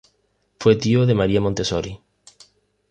Fue tío de María Montessori.